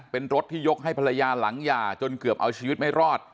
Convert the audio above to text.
เป็นรถที่ยกให้ภรรยาหลังหย่าจนเกือบเอาชีวิตไม่รอด